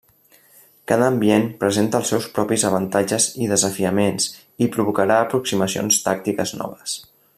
Cada ambient presenta els seus propis avantatges i desafiaments i provocarà aproximacions tàctiques noves.